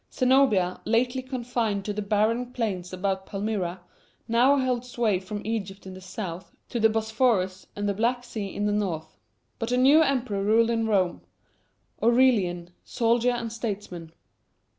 Zenobia, lately confined to the barren plains about Palmyra, now held sway from Egypt in the south, to the Bosphorus and the Black Sea in the north." But a new emperor ruled in Rome: Aurelian, soldier and statesman.